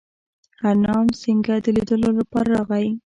هرنام سینګه د لیدلو لپاره راغی.